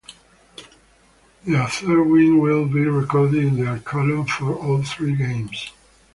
Their third win will be recorded in their column for all three games.